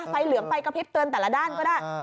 ไฟเหลืองไปกระเพ็ปเติมแต่ละด้านก็ได้